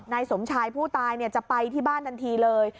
นายสมชายผู้ตายจะไปที่บ้านทันทีเลย